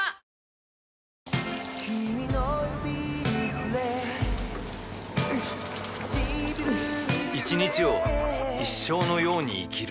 あふっ一日を一生のように生きる